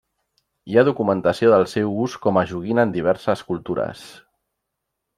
Hi ha documentació del seu ús com a joguina en diverses cultures.